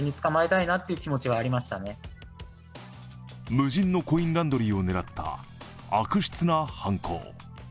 無人のコインランドリーを狙った悪質な犯行。